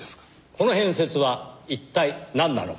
この変節は一体なんなのか。